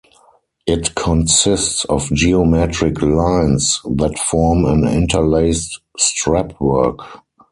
It consists of geometric lines that form an interlaced strapwork.